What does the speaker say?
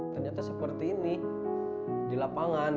ternyata seperti ini di lapangan